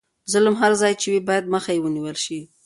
ظلم هر ځای چې وي باید مخه یې ونیول شي.